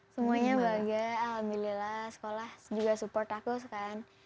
semuanya bangga alhamdulillah sekolah juga support aku sekalian